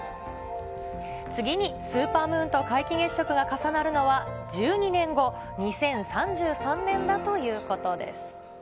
次にスーパームーンと皆既月食が重なるのは１２年後・２０３３年だということです。